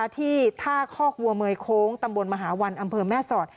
ที่ท่าคอกวัวเมยโค้งตำบลมหาวันอำเภอแม่สอด